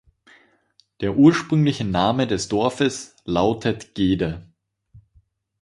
Der ursprüngliche Name des Dorfes lautet Gede.